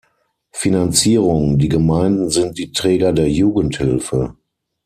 Finanzierung, die Gemeinden sind die Träger der Jugendhilfe.